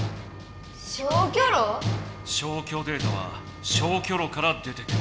消去データは消去炉から出てくる。